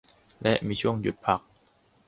และมีช่วงหยุดพัก